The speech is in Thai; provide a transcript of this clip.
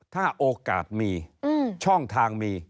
ถ้าโอกาสมีช่องทางมี